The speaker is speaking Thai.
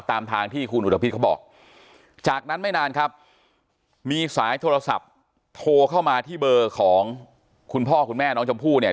ตามทางที่คุณอุทพิษเขาบอกจากนั้นไม่นานครับมีสายโทรศัพท์โทรเข้ามาที่เบอร์ของคุณพ่อคุณแม่น้องชมพู่เนี่ย